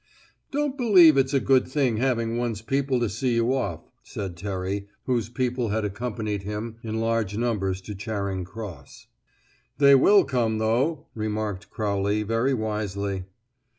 "Don't believe it's a good thing having one's people to see you off," said Terry, whose people had accompanied him in large numbers to Charing Cross. "They will come, though," remarked Crowley very wisely.